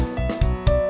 oke sampai jumpa